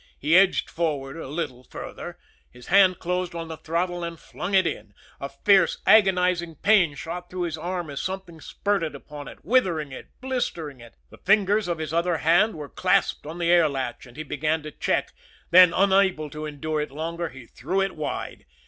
He edged forward a little farther his hand closed on the throttle and flung it in a fierce, agonizing pain shot through his arm as something spurted upon it, withering it, blistering it. The fingers of his other hand were clasped on the air latch and he began to check then, unable to endure it longer, he threw it wide.